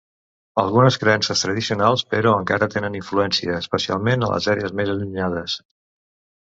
Algunes creences tradicionals, però, encara tenen influència, especialment a les àrees més allunyades.